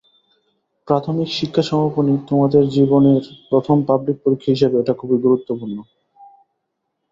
প্রাথমিক শিক্ষা সমাপনী তোমাদের জীবনের প্রথম পাবলিক পরীক্ষা হিসেবে এটি খুবই গুরুত্বপূর্ণ।